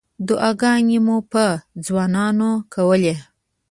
دعاګانې مو په ځانونو کولې.